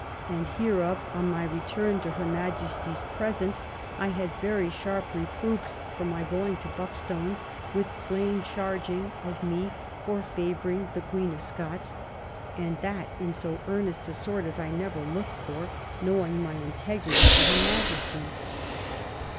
And hereof, on my return to Her Majesty's presence, I had very sharp reproofs for my going to Buckstones, with plain charging of me for favouring the Queen of Scots ; and that in so earnest a sort as I never looked for, knowing my integrity to Her Majesty."